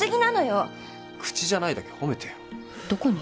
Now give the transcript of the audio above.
口じゃないだけ褒めてよ